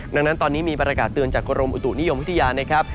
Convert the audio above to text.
ดังนั้นตอนนี้มีประกาศเตือนจากกรมอุตุนิยมวิทยานะครับ